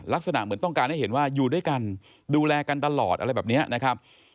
ลักษณะเหมือนต้องการให้เห็นว่าอยู่ด้วยกันดูแลกันตลอดอะไรแบบนี้นะครับ